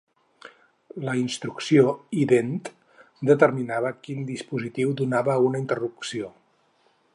La instrucció "ident" determinava quin dispositiu donava una interrupció.